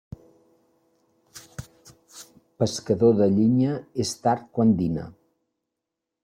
Pescador de llinya, és tard quan dina.